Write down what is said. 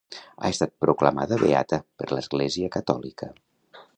Ha estat proclamada beata per l'Església catòlica.